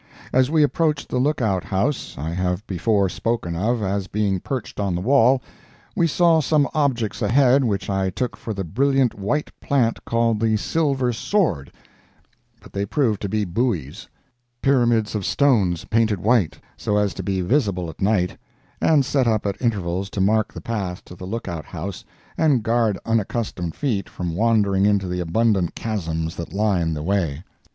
As we approached the lookout house I have before spoken of as being perched on the wall, we saw some objects ahead which I took for the brilliant white plant called the "silver sword," but they proved to be "buoys"—pyramids of stones painted white, so as to be visible at night, and set up at intervals to mark the path to the lookout house and guard unaccustomed feet from wandering into the abundant chasms that line the way.